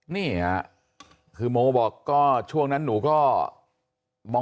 นี่นะคือโม่บอกก็ช่วงนั้นหนูก็